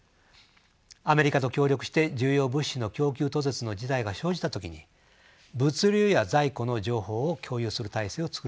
アメリカと協力して重要物資の供給途絶の時代が生じた時に物流や在庫の情報を共有する体制をつくることにしました。